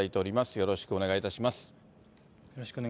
よろしくお願いします。